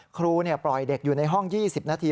ครูปล่อยเด็กอยู่ในห้อง๒๐นาที